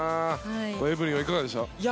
エブリンはいかがでした？